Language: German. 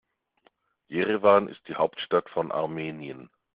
Jerewan ist die Hauptstadt von Armenien.